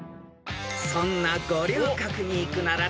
［そんな五稜郭に行くなら］